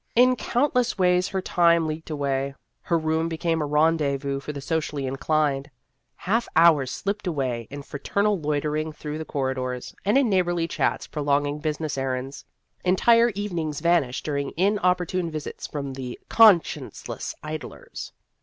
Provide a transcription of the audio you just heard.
In countless ways her time leaked away. Her room became a rendez vous for the socially inclined ; half hours slipped away in fraternal loitering through the corridors, and in neighborly chats pro longing business errands ; entire evenings vanished during inopportune visits from conscienceless idlers.